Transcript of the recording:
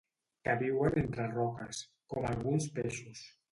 Que viuen entre roques, com alguns peixos.